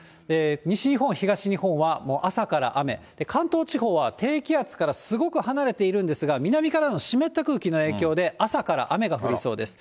西日本、東日本はもう朝から雨、関東地方は低気圧からすごく離れているんですが、南からの湿った空気の影響で、朝から雨が降りそうです。